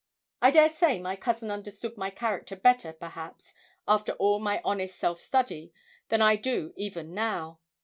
I dare say my cousin understood my character better, perhaps, after all my honest self study, then I do even now.